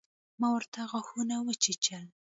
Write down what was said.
ما ورته غاښونه وچيچل.